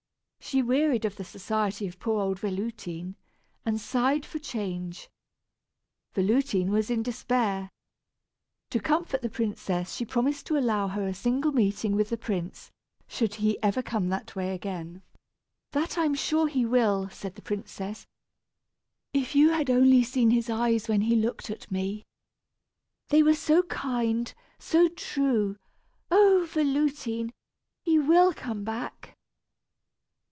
She wearied of the society of poor old Véloutine, and sighed for change. Véloutine was in despair. To comfort the princess she promised to allow her a single meeting with the prince, should he ever come that way again. "That I am sure he will!" said the princess. "If you had only seen his eyes when he looked at me! They were so kind, so true! Oh! Véloutine! he will come back!"